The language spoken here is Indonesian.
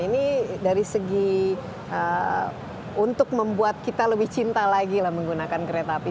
ini dari segi untuk membuat kita lebih cinta lagi lah menggunakan kereta api